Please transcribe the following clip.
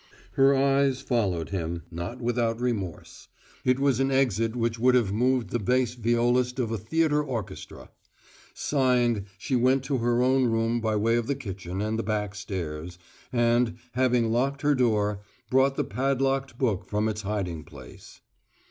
Her eyes followed him, not without remorse: it was an exit which would have moved the bass violist of a theatre orchestra. Sighing, she went to her own room by way of the kitchen and the back stairs, and, having locked her door, brought the padlocked book from its hiding place.